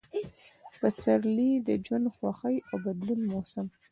پسرلی – د ژوند، خوښۍ او بدلون موسم